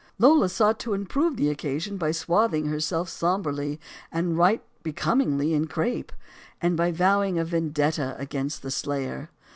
Lola sought to improve the occasion by swathing herself somberly and right becomingly in crape, and by vowing a vendetta against the slayer.